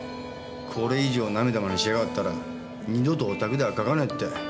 これ以上ナメた真似しやがったら二度とおたくでは書かないって。